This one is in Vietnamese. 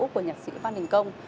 của nhạc sĩ văn đình công